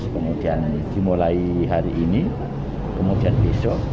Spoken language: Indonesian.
kemudian dimulai hari ini kemudian besok